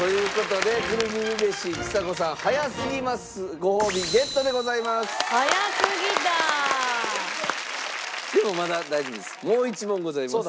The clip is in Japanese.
でもまだ大丈夫です。